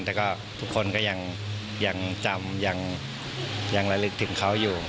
แต่ก็ทุกคนก็ยังจำยังระลึกถึงเขาอยู่